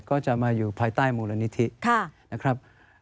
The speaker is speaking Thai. ก็จะมาอยู่ภายใต้มูลนิธินะครับ